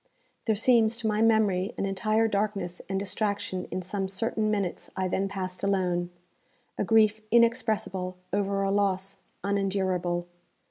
There seems, to my memory, an entire darkness and distraction in some certain minutes I then passed alone a grief inexpressible over a loss unendurable.